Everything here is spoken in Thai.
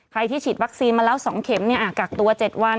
ใครที่ฉีดวัคซีนมาแล้วสองเข็มเนี่ยอ่ากักตัวเจ็ดวัน